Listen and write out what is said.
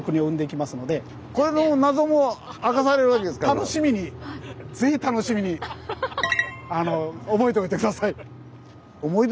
楽しみにぜひ楽しみに覚えておいて下さい。